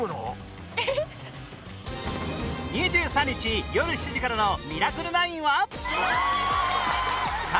２３日よる７時からの『ミラクル９』は